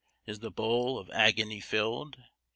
Is the bowl of agony filled?